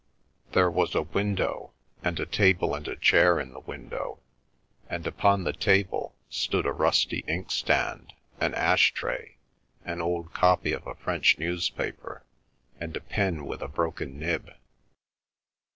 There was a window, and a table and a chair in the window, and upon the table stood a rusty inkstand, an ashtray, an old copy of a French newspaper, and a pen with a broken nib.